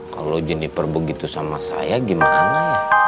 kalo jennifer begitu sama saya gimana ya